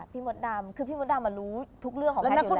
พี่หมดดำมันรู้ทุกเรื่องของแพทย์